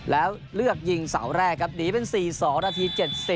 แล้วเลือกยิงเสาแรกครับหนีเป็น๔๒นาที๗๐